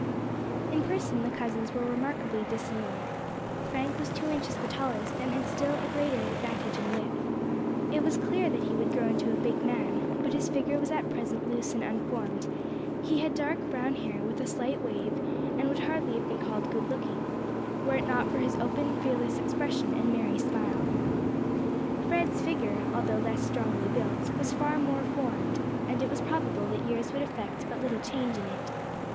In person the cousins were remarkably dissimilar. Frank was two inches the tallest, and had a still greater advantage in width. It was clear that he would grow into a big man, but his figure was at present loose and unformed; he had dark brown hair, with a slight wave, and would hardly have been called good looking, were it not for his open, fearless expression and merry smile. Fred's figure, although less strongly built, was far more formed, and it was probable that years would effect but little change in it.